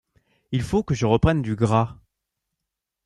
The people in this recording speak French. Il faut que je reprenne du gras.